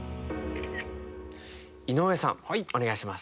井上さんお願いします。